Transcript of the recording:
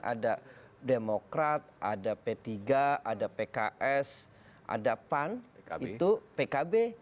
ada demokrat ada p tiga ada pks ada pan itu pkb